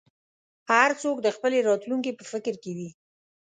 هر څوک د خپلې راتلونکې په فکر کې وي.